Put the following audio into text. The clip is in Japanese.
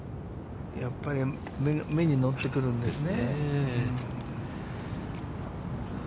やっぱり目に乗ってくるんですね。